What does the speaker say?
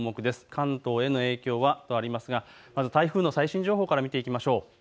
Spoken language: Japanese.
関東への影響はとありますがまず台風の最新情報から見ていきましょう。